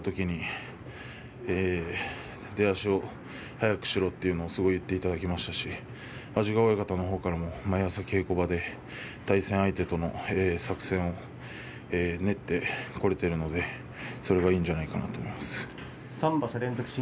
師匠から出足を速くしろと言っていただいていますし、安治川親方の方からも毎朝稽古場で対戦相手との作戦を練ってこれているのでそれがいいんじゃないかなと思い